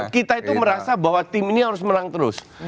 kita itu merasa bahwa tim ini harus menang terus